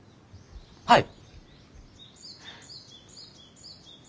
はい。